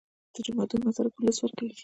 د جوماتونو مصارف ولس ورکوي